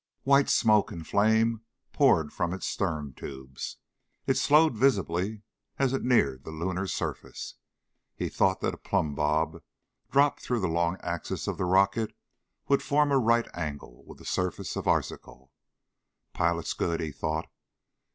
White smoke and flame poured from its stern tubes. It slowed visibly as it neared the lunar surface. He thought that a plumb bob dropped through the long axis of the rocket would form a right angle with the surface of Arzachel. Pilot's good, he thought.